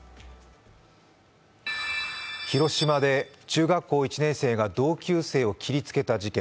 広島で、中学校１年生が同級生を切りつけた事件。